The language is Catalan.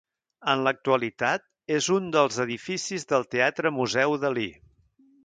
En l'actualitat és un dels edificis del Teatre-Museu Dalí.